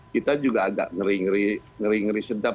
kita juga agak ngeri ngeri sedang